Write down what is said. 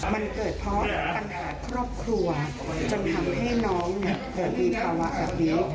มันเกิดเพราะปัญหาครอบครัวจนทำให้น้องเกิดมีภาวะแบบนี้